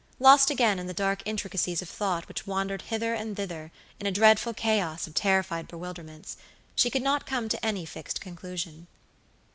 Lost again in the dark intricacies of thoughts which wandered hither and thither in a dreadful chaos of terrified bewilderments, she could not come to any fixed conclusion.